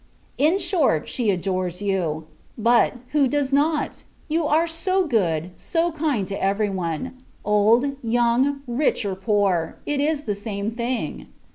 In short, she adores you; but, who does not? You are so good, so kind, to every body; old, young, rich, or poor, it is the same thing!